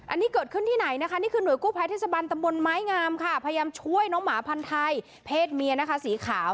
อันนี้เกิดขึ้นที่ไหนนะคะนี่คือหน่วยกู้ภัยเทศบันตำบลไม้งามค่ะพยายามช่วยน้องหมาพันธ์ไทยเพศเมียนะคะสีขาว